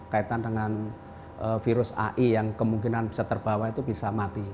kaitan dengan virus ai yang kemungkinan bisa terbawa itu bisa mati